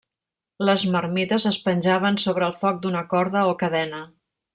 Les marmites es penjaven sobre el foc d'una corda o cadena.